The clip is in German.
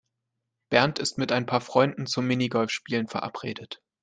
Bernd ist mit ein paar Freunden zum Minigolfspielen verabredet.